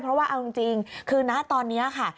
เพราะว่าเอาจริงคือนะตอนนี้ค่ะ